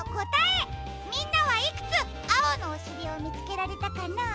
みんなはいくつあおのおしりをみつけられたかな？